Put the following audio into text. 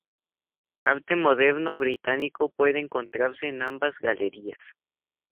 Arte moderno británico puede encontrarse en ambas galerías.